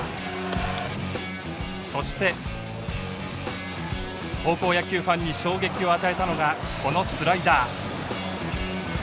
そして高校野球ファンに衝撃を与えたのがこのスライダー。